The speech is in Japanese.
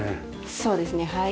そうですねはい。